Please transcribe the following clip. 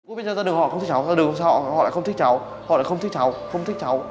cô biết ra đường họ không thích cháu ra đường họ không thích cháu họ lại không thích cháu không thích cháu